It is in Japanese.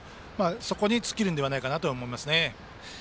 そこに尽きるのではないかと思います。